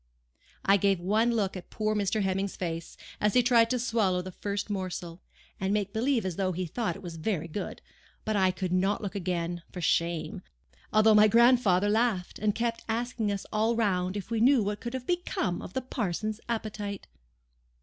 I gave one look at poor Mr. Hemming's face, as he tried to swallow the first morsel, and make believe as though he thought it very good; but I could not look again, for shame, although my grandfather laughed, and kept asking us all round if we knew what could have become of the parson's appetite."